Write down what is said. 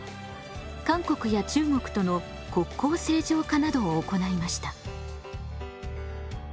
韓国や中国との国交正常化などを行いました。